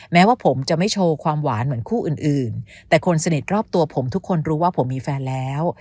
แม้ว่าผมจะไม่โชว์ความหวานเหมือนคู่อื่นแต่คนสนิทรอบตัวผมทุกคนรู้ว่าผมมีแฟนแล้ว